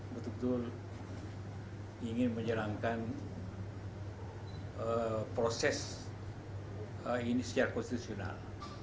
betul betul ingin menjalankan proses inisial konstitusional